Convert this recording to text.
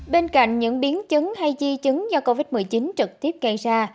bên cạnh những biến chứng hay di chứng do covid một mươi chín trực tiếp gây ra